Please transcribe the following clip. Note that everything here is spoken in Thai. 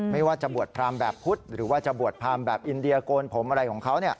ไม่ว่าจะบวชพรามแบบพุธหรือว่าจะบวชพรามแบบอินเดียโกนผมอะไรของเขา